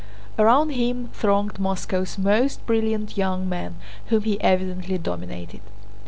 Around him thronged Moscow's most brilliant young men, whom he evidently dominated.